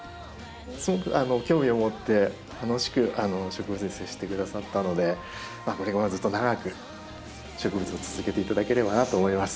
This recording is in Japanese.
すごく興味を持って楽しく植物に接してくださったのでこれからもずっと長く植物を続けていただければなと思います。